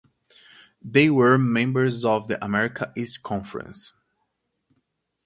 They were members of the America East Conference.